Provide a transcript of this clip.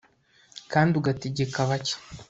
kandi ugategeka bake